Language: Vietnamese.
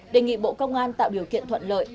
đề nghị bộ công an tạo điều kiện thuận lợi